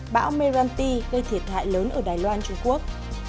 bão merranti gây thiệt hại lớn ở đài loan trung quốc